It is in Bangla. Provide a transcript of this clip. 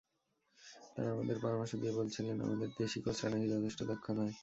তারা আমাদের পরামর্শ দিয়ে বলেছিলেন, আমাদের দেশি কোচরা নাকি যথেষ্ট দক্ষ নয়।